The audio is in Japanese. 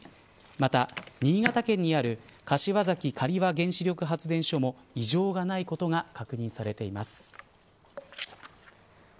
また新潟県にある柏崎刈羽原子力発電所も異常がないことが確認されています。